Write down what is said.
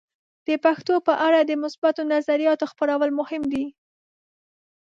د پښتو په اړه د مثبتو نظریاتو خپرول مهم دي.